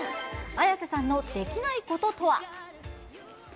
綾瀬さんのできないこととは。